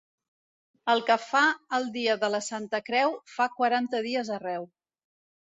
El que fa el dia de la Santa Creu, fa quaranta dies arreu.